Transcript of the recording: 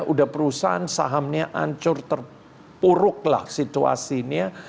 udah perusahaan sahamnya ancur terpuruk lah situasinya